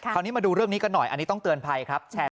คราวนี้มาดูเรื่องนี้กันหน่อยอันนี้ต้องเตือนภัยครับแชร์